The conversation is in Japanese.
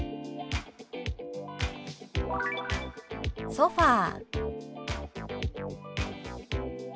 「ソファー」。